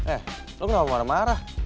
eh lo gak marah marah